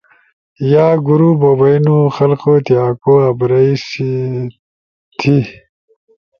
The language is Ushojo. یا گروپ بو بئینو۔ خلقو تیا آکو ابرئی سی تھئی